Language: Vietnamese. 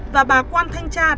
và bà quan thanh tra đã nhận cảm ơn